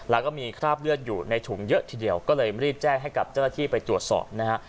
แล้วก็มีคราบเลือดอยู่ในถุงเยอะทีเดียวก็เลยรีบแจ้งให้กับเจ้าหน้าที่ไปตรวจสอบนะฮะ